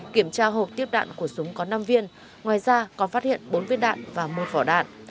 kiểm tra hộp tiếp đạn của súng có năm viên ngoài ra còn phát hiện bốn viên đạn và một vỏ đạn